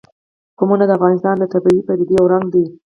قومونه د افغانستان د طبیعي پدیدو یو رنګ دی.